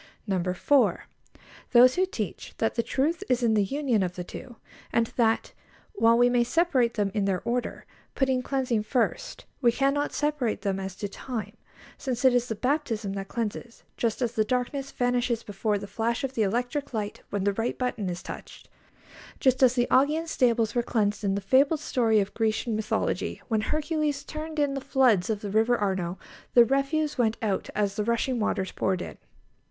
4. Those who teach that the truth is in the union of the two, and that, while we may separate them in their order, putting cleansing first, we cannot separate them as to time, since it is the baptism that cleanses, just as the darkness vanishes before the flash of the electric light when the right button is touched; just as the Augean stables were cleansed, in the fabled story of Grecian mythology, when Hercules turned in the floods of the River Arno; the refuse went out as the rushing waters poured in.